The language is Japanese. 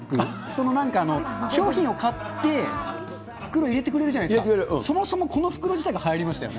そのなんか商品を買って、袋入れてくれるじゃないですか、そもそもこの袋自体がはやりまし